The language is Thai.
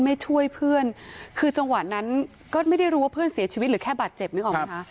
ไม่ช่วยเพื่อนคือจังหวะนั้นก็ไม่ได้รู้ว่าเพื่อนเสียชีวิตหรือแค่บาดเจ็บนึกออกไหมคะ